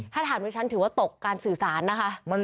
ถ้าถามดิฉันถือว่าตกการสื่อสารนะคะ